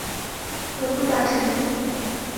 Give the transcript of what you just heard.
文部大臣。